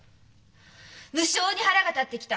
無性に腹が立ってきた！